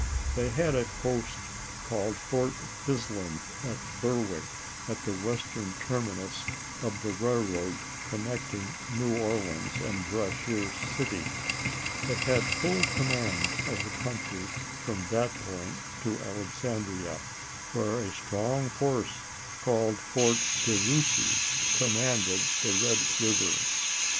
They had a post called Fort Bisland at Berwick, at the western terminus of the railroad connecting New Orleans and Brashear City ; they had full com mand of the country from that point to Alexandria, where a strong work called Fort De Russey com manded the Red River.